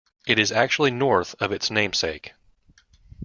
It is actually north of its namesake.